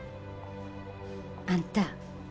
あんた。